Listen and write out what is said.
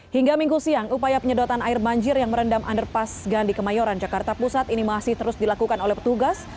hingga minggu siang upaya penyedotan air banjir yang merendam underpass gandhi kemayoran jakarta pusat ini masih terus dilakukan oleh petugas